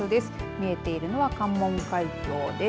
見えているのは関門海峡です。